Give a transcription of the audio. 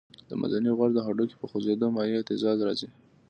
د منځني غوږ د هډوکو په خوځېدو مایع اهتزاز راځي.